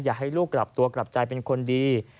อยากให้ลูกกลับตัวกลับใจเป็นคนดี